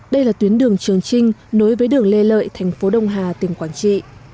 đây là tuyến đường trường trinh nối với đường lê lợi thành phố đông hà tỉnh quảng trị